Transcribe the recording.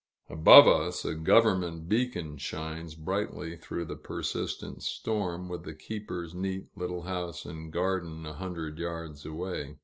Above us, a government beacon shines brightly through the persistent storm, with the keeper's neat little house and garden a hundred yards away.